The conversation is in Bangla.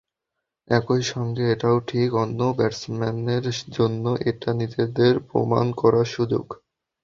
একই সঙ্গে এটাও ঠিক, অন্য ব্যাটসম্যানদের জন্য এটা নিজেদের প্রমাণ করার সুযোগ।